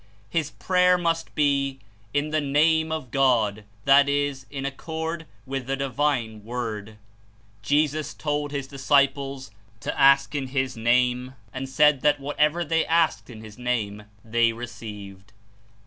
His prayer must be "In the Name of God," that Is In accord with the divine Word. Jesus told his disciples to ask In his Name, and said that whatever they asked In his Name, they received.